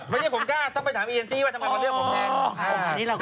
ไม่ใช่ผมกล้าต้องไปถามอีเอ็นซี่ว่าทำไมมาเลือกผมเอง